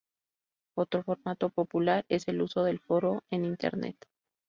Otro formato popular es el uso del foro en Internet.